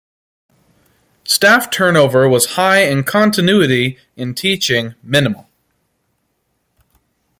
Staff turnover was high and continuity in teaching minimal.